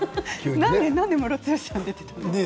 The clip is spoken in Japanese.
なんでムロツヨシさんが出ていたんですか？